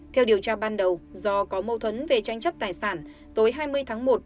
theo điều tra ban đầu do có mâu thuẫn về tranh chấp tài sản tối hai mươi tháng một